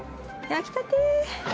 焼きたて！